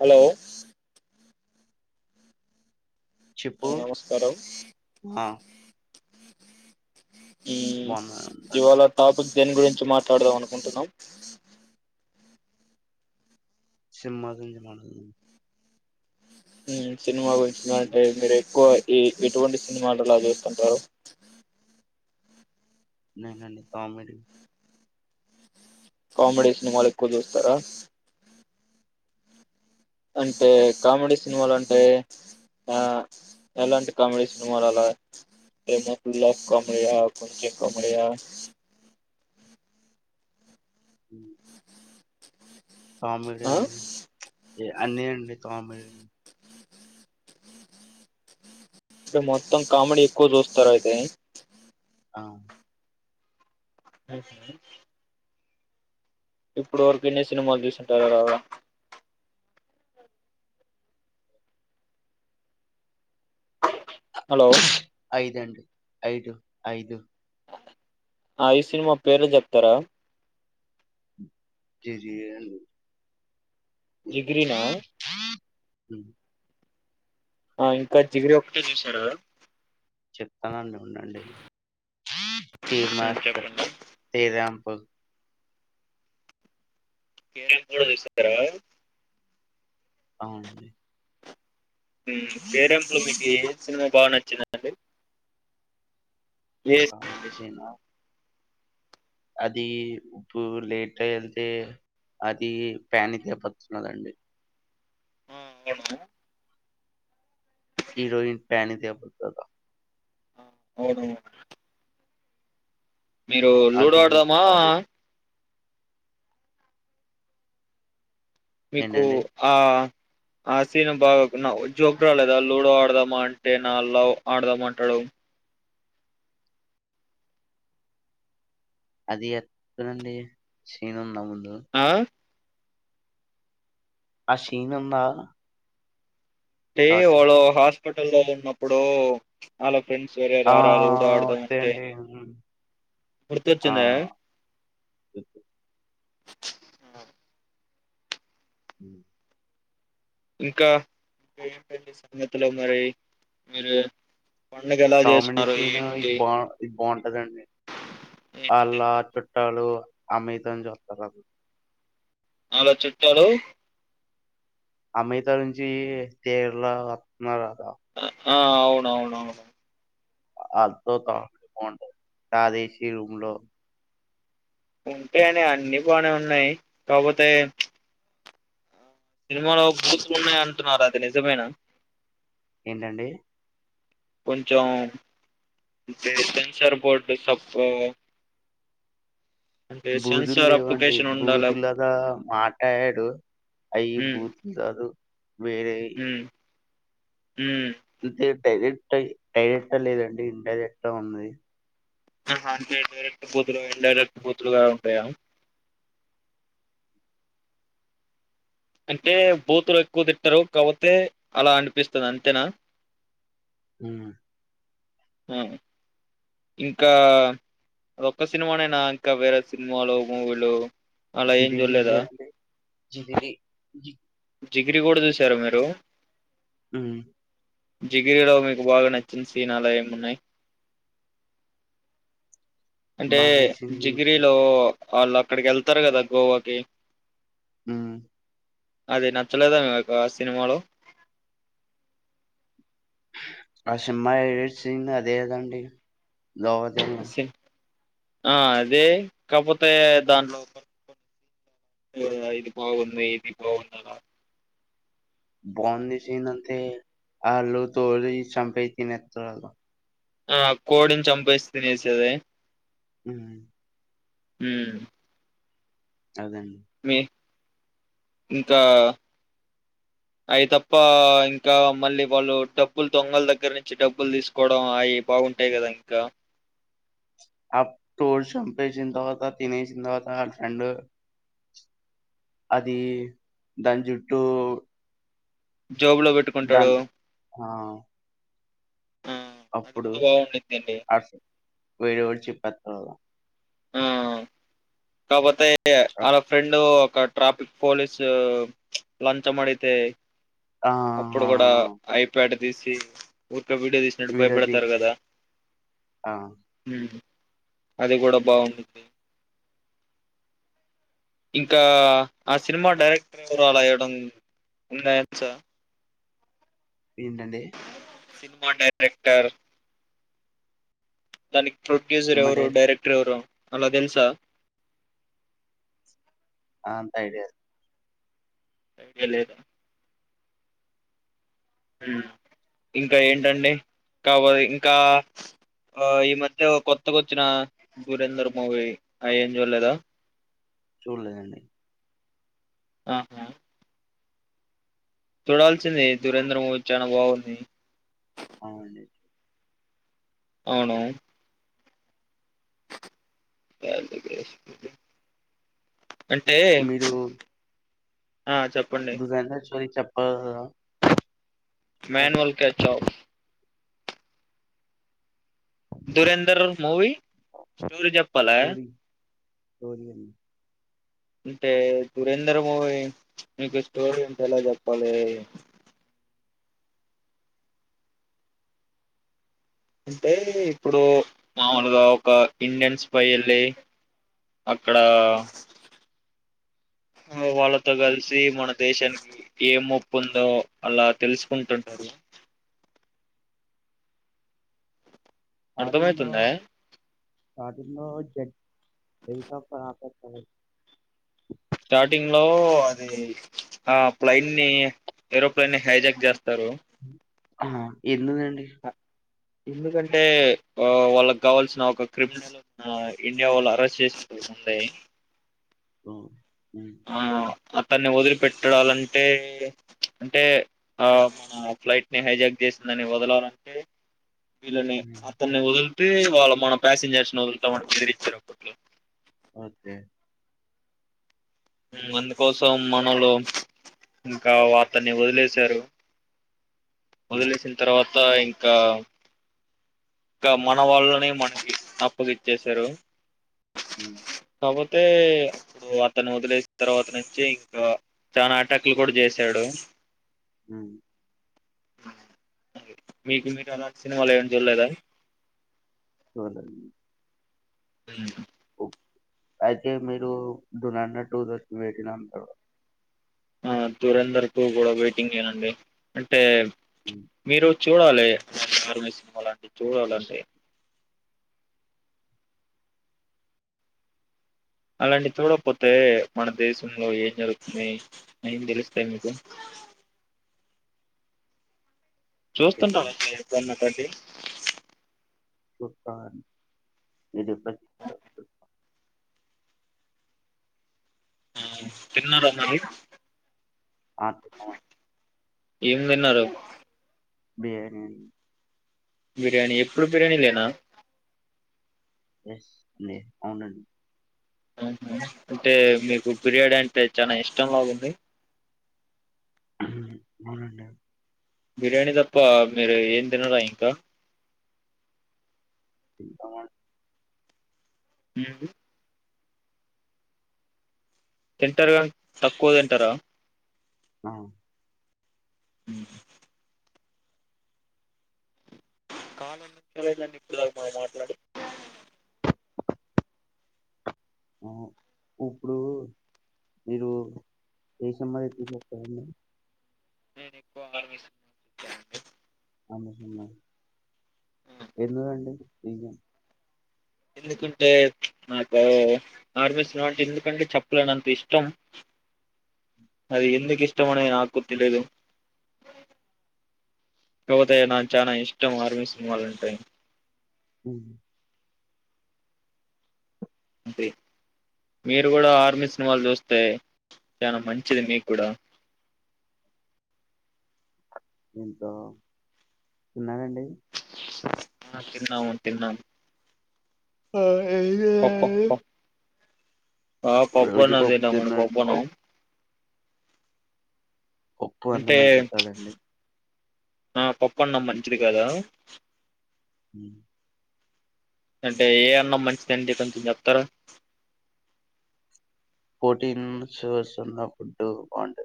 Hello ఆ చెప్పు నమస్కారం ఆ బాగున్నాను ఇవాళ టాపిక్ దీని గురించి మాట్లాడదాం అనుకుంటున్నావ్ సినిమ తంజమాదు హ సినిమా గురించి అంటే సినిమాస్. మీరు ఎక్కువ ఈ ఎటువంటి సినిమాలు లాగేస్తుంటారు నే అంటే కామెడీ కామెడీ సినిమాలు ఎక్కువ చూస్తారా అంటే కామెడీ సినిమాలు అంటే ఎలాంటి హా కామెడీ సినిమాలు అలా ఫేమలా ఆఫ్ కామెడీయా కొంచెం కామెడీయా హ కామెడీ ఆ అన్ని అండి కామెడీ ఇప్పుడు మొత్తం కామడి ఎక్కువ చూస్తారు అయితే అ అ స ఇప్పుడు వరకు ఎన్ని సినిమాలు చూస్తుంటారు అలాగా హలో ఐదుండి ఐదు ఐదు ఆ ఐదు సినిమా పేర్లు చెప్తారా జీ జీ [unintelligible] జిగ్రీనా హ ఆ ఇంకా జిగ్రీ ఒక్కటే చూసారు గా చెప్తానండి ఉండండి ఉమ్ ఫీమస్ చెప్పండి శదం ప్పు క్రాంప్ కూడా చూశారా ఆమ్ హుమ్ క్రాంప్‌లో [unintelligible] సినిమా బాగా నచ్చదండి కామెడీచేనా అది ఉప్పు లేట్ వెళ్తే అది పానిక్ అయిపోతున్నదండి ఆ అవును హీరోయిన్ పానిక్ అయిపోతాది హా అవునవును మీరు లూడో అది గురించి ఆడదామా కాదు మీకు ఏంటండి? ఆ ఆసీన బాగ నా జోగ్రా లేదా లూడో ఆడదామంటే నా లవ్ ఆడదామంటాడు అది ఎక్కడండీ సీన్ ఉందా ముందు ఆ ఆ సీన్ ఉందా ఏ స్టార్టింగ్ వళుహార్ హాస్పిటలో ఉన్నప్పుడు అలో ఫ్రెండ్స్ వరరు ఆ! ఆారారు లూడో ఆడా ఓకే అంటే అండి. హ్మ్. ఆ! గుర్తొచ్చిందా అ గుర్తొచ్చింది. ఉ ఇంకా ఏమి చేస్తున్నావు మరి మీరు పండుగ ఎలా చేస్తున్నారు టమినషీన్ ఇది ఏంటి బా ఇది బాగుంటదండి ఏంటి అళ చెప్పండి చుట్టాలు అమె దన్ చూస్తారా అలా చుట్టాలు అమెయిత నుంచి కేరళా వస్తున్నారు ఆ అవునవునవును అధత తదేశీ ఉమ్లో ఉంటె అని అన్ని బానే ఉన్నాయి కాకపోతే సినిమాలో బూతులు ఉన్నాయి అంటున్నారు అది నిజమైన ఏంటండి కొంచెం సెన్సర్ బోర్డు తప్పు బూతులు లేవండి అప్లికేషన్ ఉండాల బూతుళు లాగా మాట్లాడాడు అయి ఉమ్ బూతులు కాదు వేరే ఉమ్ ఉమ్ ఇంతే టైలర్ డైరెక్ట్ లేదండి ఇన్డైరెక్ట్ ఉంది అంటే డైరెక్ట్ బూతులు ఇన్డైరెక్ట్ బూతులుగా ఉంటాయా అంటే బూతులు ఎక్కువ తిట్టారు కాపోతే అలా అనిపిస్తుంది అంతేనా హ ఆ ఇంకా ఒక్క సినిమానైనా ఇంకా వేరే సినిమాలు మూవీలు అలా ఏం చూడలేదా జింగిరి డిగ్రీ కూడా చూసార మీరు మ్ జిగిరిలో మీకు బాగా నచ్చిన సీను అలా ఏమున్నాయి అంటే బా నచ్చింది నాకు. జిగ్రీలో వాళ్ళు అక్కడికి వెళ్తారు కదా గోవాకి హ అదే నచ్చలేద మీకు ఆ సినిమలో ఆ సినిమా చూసి అదే నండి నో నో సిన్- ఆ అదే కాకపోతే దాంట్లో ఇది బాగుంది ఇది బాగున్నా బాగుంది సీన్ అయితే వాళు తో చంపయి తినస్తారూ ఆ కోడిని చంపేసి తినేసేది హ హ తేల్దండి మీ ఇంకా అవి తప్ప ఇంకా మళ్ళీ వాళ్ళు డబ్బులు దొంగల దగ్గర నుంచి డబ్బులు తీసుకోవడం అవి బాగుంటాయి కదా ఇంకా అ టోర్షంచంపేసిన తరువాత తినేసిన గర్ఫ్రడ్ అది దాని జుట్టు జోబులో పెట్టుకుంటాడు ఆ! ఆ అది అప్పుడు కూడా బాగుండిద్దండి అస వేరు వరిచ్చి పత్రద ఆ కాపోతేయి అ అన ఫ్రెండ్ ట్రాఫిక్ పోలీస్ లంచ మతే అప్పుడు ఆహా! కూడా ఐప్యాడ్ దసి ఇక్క వీడియో తీసినట్టు వీడది భయపడతారు కదా ఆ! అది కూడా బాఉండుద్ది ఇంకా ఆ సినిమా డైరెక్టర్ అలా వయడం ఉన్నాయ సా ఏంటండడి సినిమా డైరెక్టర్ తని ప్రొడ్యూసర్ ఎవరు మరే డైరెక్టర్ ఎవరు అలాదన్సా ఆ అంత ఐడి అ వె లేదా ఇంకా ఏంటండి కాబ ఇంకా ఈ మధ్య కొత్తకొచ్చిన గురేందర్ మూవీ ఏం చూడలేదా చూడేలేదండి ఆహా చూడాల్సింది దురేంద్రమూవీ చానా బాగుంది అవుండి అవునా [unintelligible] అంటే ఆ చెప్పండి [unintelligible] అహ మన్వల్ కచ్ ఆఫ్ దురేందర్ మూవీ స్టోరీ చెప్పాల స్టోరీ, స్టోరీ అండి. అంటే దురేంద్ర మూవీ మీకు స్టోరీ అంటే ఎలా చెప్పాలి అంటే ఇప్పుడు మామూలుగా ఒక ఇండియన్స్ పై వెళ్ళి అక్కడ వాళ్ళతో కలిసి మన దేశానికి ఏం ముప్పు ఉందో అలా తెలుసుకుంటుంటారు అర్థంమవుతుందా స్టార్టింగ్లో జడ్ స్టార్టింగ్ లో అది ఆ ప్లైన్ ని ఏరోప్లెన్ ని హైజాక్ చేస్త ఇస్తారు ఆమ్మో ఎందుకండి ఎందుకంటే వ వాళ్ళకు కావాల్సిన ఒక క్రిమినల్ ఇండియా వాళ్ళు అరెస్ట్ చేస్ ఉంది ఆ అతన్ని వదిలిపెట్టాలంటే అంటే ఆ మన ఫ్లైట్ని హైజాక్ చేసిందని వదలాలంటే వీళ్ళని హ్మ్. అతన్ని ఒదుల్ తె వాళ్ళు మాన పాసెంజర్స్ వదులుతామని బెదిరిచ్చారు అప్పట్లో ఓకే. హు అందుకోసం మనోళ్లు ఇంకా వాతన్ని వదిలేసారు యాహ్! ఒదీలేసిన తర్వత్ త్త ఇంకా ఇంకా మన వాళ్ళని మనకి అప్పగిచ్చేసారు హు కాకపోతే ఇప్పుడు అతను వదిలేసిన తర్వాత నుంచి ఇంకా చనాా అటాక్లు కూడా చేసాడు హు మీకు మీరు అలాంటి సినిమాలు ఏమి చూడలేదా చూడలేదు హు అయితే మీరు దూరందర్ టు కోసం వైటింగ్ అంటారు ఆ దూరందర్కు టు కూడా వెయిటింగేనండి అంటే హ్మ్. మీరు చూడాలే సినిమాలంటివి చూడాలా అలాంటియి చూడపోతే మన దేశంలో ఏం జరుగుతున్నాయి ఏం తెలుస్తాయి మీకు చూస్తుంటాం చూస్తాం. [unintelligible] బట్టి భుపాన్ ఇది [unintelligible] ఆ తిన్నార మరి అ తిన్న మండి ఏం తిన్నారు బిర్యానీ అండి బిర్యానీ ఎప్పుడు బిర్యానీ లేనా స్ మే అవునండి ఆ అంటే మీకు బిర్యాడి అంటే చాలా ఇష్టంలాగుంది హు అవునండి బిర్యానీ తప్ప మీరు ఏం తినరా ఇంకా అవ్ ఏమండి తింటర్గా తక్కువ తింటార ఆ అ కాల్ ఎందుకు [unintelligible] ఆఇందండి ఇప్పుటి దాకా మనం మాట్లాడు ఆ ఇప్పుడు మీరు ఏ సినిమా [unintelligible] స్తారండి నేను ఎక్కువ ఆర్మి సినిమా [unintelligible] నండి ఆర్మీ సినిమాలు హ్మ్. ఎందుకండి రెసన్ ఎందుకంటే నాకు ఆర్మీ సినిమా అంటే ఎందుకంటే చెప్పలేనంత ఇష్టం అది ఎందుకు ఇష్టం అనే నాకు తెలీదు కాకపోతే నాకు చాలా ఇష్టం ఆర్మీ సినిమాలుంటే అ అది మీరు కూడా ఆర్మీ సినిమాలు చూస్తే చాలా మంచిది మీకు కూడా దీంతో తన్నావండి తిన్నాము తిన్నాము హ పప్ప ఏద ఆ పపో నాద మ తిన్నానండి. పపోన పప్ ఒప్పు అంత అంటే మంచి చాలండి ఆ పక్కన్నా మంచిది కదా హ అంటే ఏ అన్నా మంచిదం కొంచెం చెప్తారా పోర్టీన్న్న ఫుడ్ బాగుంట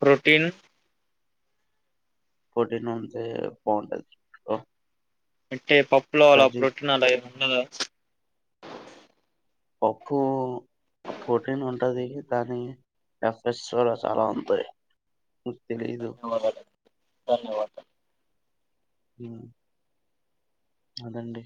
ప్రుటీన్ ఫటీన్ నుే బాగుంటది అంటే పప్పులో అలా ప్రోటీన్ అలా ఏ ఉండదా పప్పు ప్రోటీన్ ఉంటుంది దానిఫస్లో చాలా అంతయి ధన్యవాదాలు ధన్యవాదాలు హ అదండి